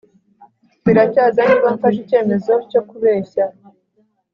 Biracyaza niba mfashe icyemezo cyo kubeshya